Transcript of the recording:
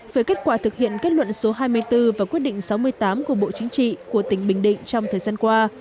về kết quả thực hiện kết luận số hai mươi bốn và quyết định sáu mươi tám của bộ chính trị của tỉnh bình định trong thời gian qua